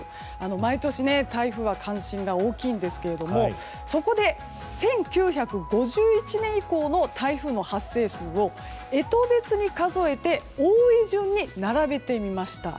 毎年、台風は関心が大きいんですがそこで、１９５１年以降の台風の発生数を干支別に数えて多い順に並べてみました。